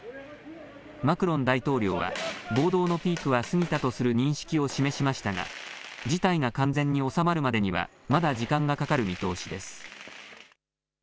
マクロン大統領は暴動のピークは過ぎたとする認識を示しましたが事態が完全に収まるまでにはまだ時間がかかる見通しです。